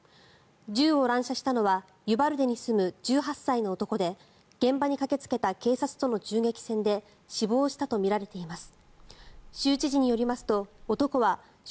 銃を乱射したのはユバルデに住む１８歳の男で現場に駆けつけた警察との銃撃戦で死亡したとみられています。